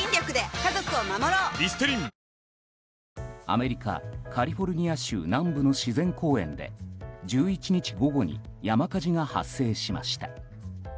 アメリカカリフォルニア州南部の自然公園で１１日午後に山火事が発生しました。